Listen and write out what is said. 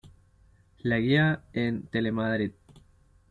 La guía", en Telemadrid.